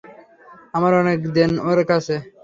আমার অনেক দেনা ওর কাছে।